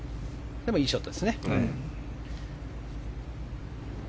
でも、いいショットです。